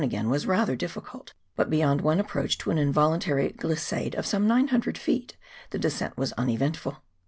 207 again was rather difficult, but beyond one approach to an involuntary glissade of some 900 ft. the descent was un eventful.